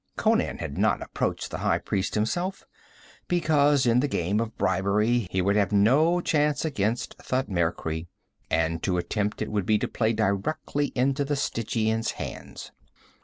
Conan had not approached the high priest himself, because in the game of bribery he would have no chance against Thutmekri, and to attempt it would be to play directly into the Stygian's hands.